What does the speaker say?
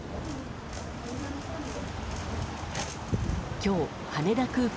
今日、羽田空港。